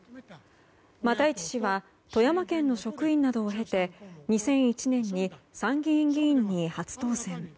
又市氏は富山県の職員などを経て２００１年に参議院議員に初当選。